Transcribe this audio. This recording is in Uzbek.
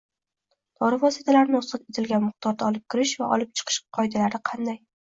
dori vositalarini ruxsat etilgan miqdorda olib kirish va olib chiqish qoidalari qanday?